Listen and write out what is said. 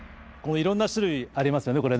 いろんな種類ありますよね。